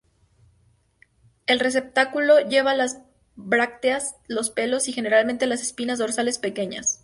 El receptáculo lleva las brácteas, los pelos y generalmente las espinas dorsales pequeñas.